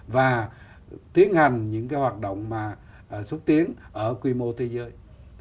và tiến hành những cái hoạt động mà xuất tiến ở quy mô thế giới